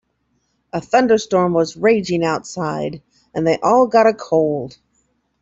A thunderstorm was raging outside and they all got a cold.